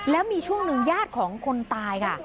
แล้วมีช่วงหนึ่งญาติของคนตายค่ะ